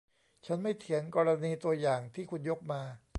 ฉันไม่เถียงกรณีตัวอย่างที่คุณยกมา